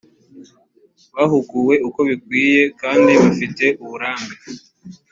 bahuguwe uko bikwiye kandi bafite uburambe